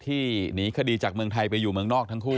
หนีคดีจากเมืองไทยไปอยู่เมืองนอกทั้งคู่